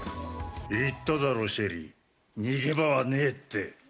言っただろシェリー、逃げ場はねえって。